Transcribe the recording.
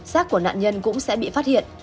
sát của nạn nhân cũng sẽ bị phát hiện